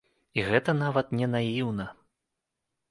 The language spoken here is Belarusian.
І гэта нават не наіўна.